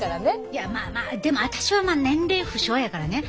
いやまあまあでも私は年齢不詳やからね。